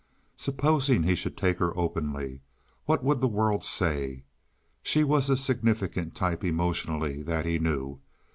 Supposing he should take her openly, what would the world say? She was a significant type emotionally, that he knew.